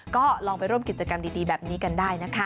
ก็ลองไปร่วมกิจกรรมดีแบบนี้กันได้นะคะ